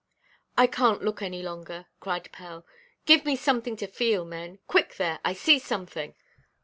"I canʼt look any longer," cried Pell; "give me something to feel, men. Quick, there! I see something!"